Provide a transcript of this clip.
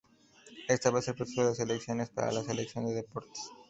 Esta vez el proceso de selección es para la sección de deportes.